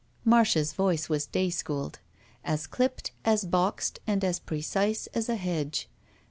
Marda's voice was day schooled. As clipped, as boxed, and as precise as a hedge.